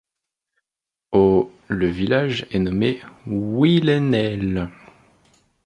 Au le village est nommé Willenehl.